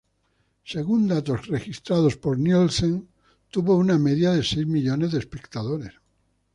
Según datos registrados por Nielsen tuvo una media de seis millones de espectadores.